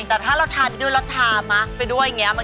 แต่ถ้าเราทาไปด้วยเราทามาร์คซ์ไปด้วยอย่างนี้